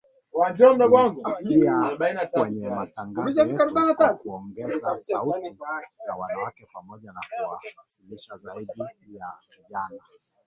jinsia kwenye matangazo yetu kwa kuongeza sauti za wanawake, pamoja na kuwashirikisha zaidi vijana